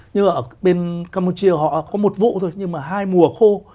nhưng ở bên campuchia họ có một vụ thôi nhưng mà hai mùa khô